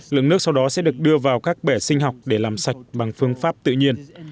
lượng nước sau đó sẽ được đưa vào các bể sinh học để làm sạch bằng phương pháp tự nhiên